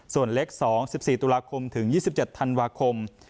ส่วนเล็ก๒๑๔ตุลาคมถึง๒๗ธันวาคม